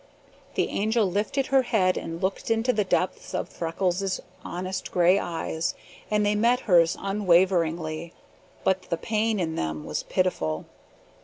The Angel lifted her head and looked into the depths of Freckles' honest gray eyes, and they met hers unwaveringly; but the pain in them was pitiful.